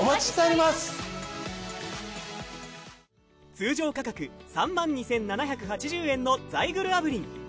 通常価格３２，７８０円のザイグル炙輪。